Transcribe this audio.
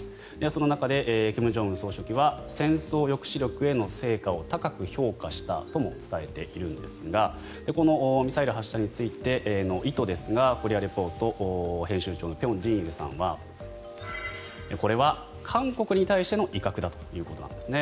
その中で金正恩総書記は戦争抑止力への成果を高く評価したとも伝えているんですがこのミサイル発射の意図ですが「コリア・レポート」編集長の辺真一さんはこれは韓国に対しての威嚇だということなんですね。